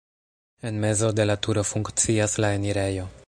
En mezo de la turo funkcias la enirejo.